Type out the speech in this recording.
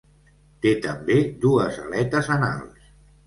Té també dues aletes anals.